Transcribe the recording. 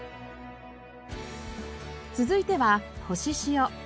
続いてはほししお。